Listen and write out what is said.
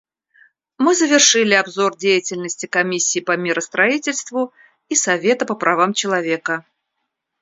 Мы завершили обзор деятельности Комиссии по миростроительству и Совета по правам человека.